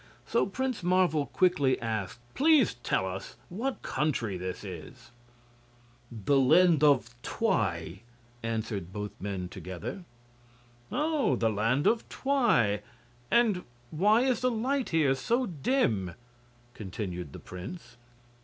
So Prince Marvel quickly asked: "Please tell us what country this is?" "The Land of Twi," answered both men, together. "Oh! the Land of Twi. And why is the light here so dim?" continued the prince.